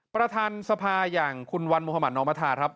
ประธานสภาอย่างคุณวันมุธมัธนอมธาครับ